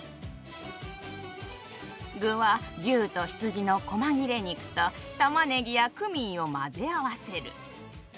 具は牛と羊のこま切れ肉とたまねぎやクミンを混ぜ合わせる。